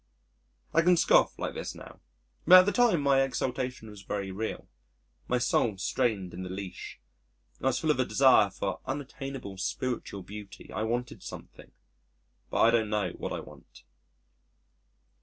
I can scoff like this now. But at the time my exaltation was very real. My soul strained in the leash. I was full of a desire for unattainable spiritual beauty. I wanted something. But I don't know what I want.